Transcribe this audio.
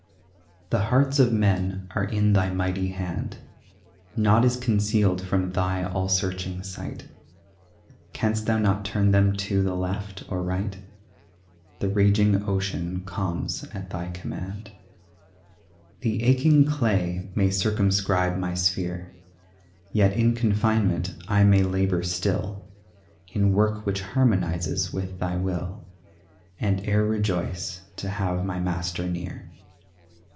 The hearts of men are in Thy mighty hand; Naught is concealed from Thy all searching sight; Canst Thou not turn them to the left or right? The raging ocean calms at Thy command. The aching clay may circumscribe my sphere; Yet in confinement I may labor still In work which harmonizes with Thy will, And e'er rejoice to have my Master near.